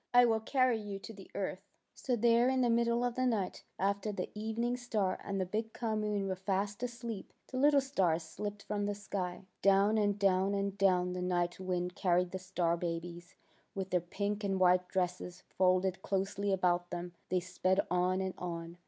I will carry you to the earth." So there in the middle of the night, after the evening star and the big calm moon were fast asleep, the little stars slipped from the sky. Down and down and down the Night Wind THE SHOOTING STARS 177 carried the star babies. With their pink and white dresses folded closely about them they sped on and on.